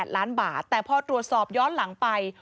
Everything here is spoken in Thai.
๘ล้านบาทแต่พอตรวจสอบย้อนหลังไป